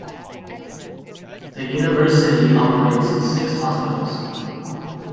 The university operates six hospitals.